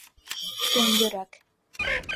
Туң йөрәк!